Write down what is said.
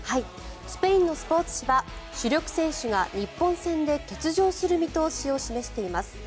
スペインのスポーツ紙は主力選手が日本戦で欠場する見通しを示しています。